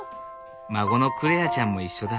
孫の來愛ちゃんも一緒だ。